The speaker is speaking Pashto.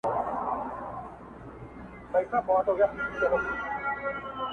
قرآن، انجیل، تلمود، گیتا به په قسم نیسې.